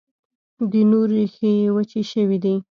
د نور، ریښې یې وچي شوي دي